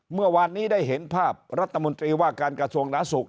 เมื่อวานนี้ได้เห็นภาพรัฐมนตรีว่าการกระทรวงหนาสุข